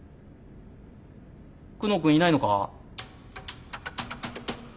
久能君いないのか？